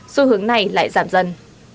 xu hướng này lại giảm dần